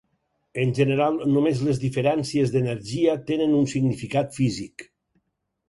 En general només les diferències d'energia tenen un significat físic.